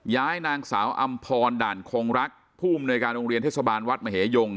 ย้ายนางสาวอำพรด่านคงรักผู้อำนวยการโรงเรียนเทศบาลวัดมเหยง